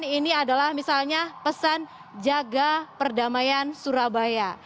ini adalah misalnya pesan jaga perdamaian surabaya